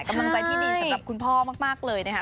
กำลังใจที่ดีสำหรับคุณพ่อมากเลยนะคะ